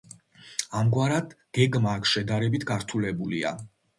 ამგვარად, გეგმა აქ შედარებით გართულებულია.